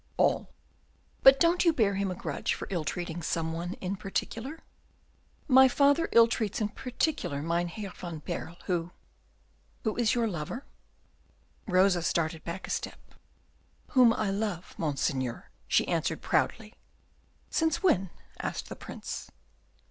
"All." "But don't you bear him a grudge for ill treating some one in particular?" "My father ill treats in particular Mynheer van Baerle, who " "Who is your lover?" Rosa started back a step. "Whom I love, Monseigneur," she answered proudly. "Since when?" asked the Prince.